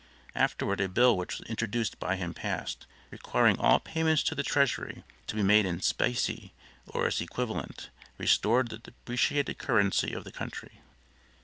Afterward a bill which was introduced by him passed, requiring all payments to the treasury to be made in specie or its equivalent, restored the depreciated currency of the country.